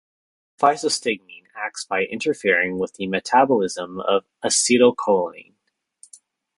Physostigmine acts by interfering with the metabolism of acetylcholine.